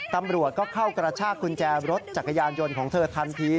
ตำรวจก็เข้ากระชากกุญแจรถจักรยานยนต์ของเธอทันที